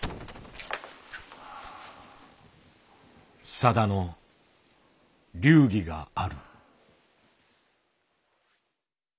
さだの流儀がある。